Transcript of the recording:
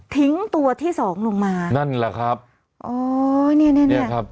ทิ้งตัวที่สองลงมานั่นแหละครับโอ้ยเนี้ยเนี้ยเนี้ยเนี้ยครับ